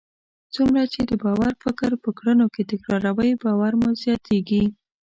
څومره چې د باور فکر په کړنو کې تکراروئ، باور مو زیاتیږي.